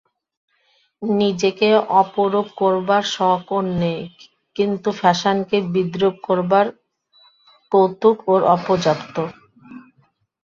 নিজেকে অপরূপ করবার শখ ওর নেই, কিন্তু ফ্যাশানকে বিদ্রূপ করবার কৌতুক ওর অপর্যাপ্ত।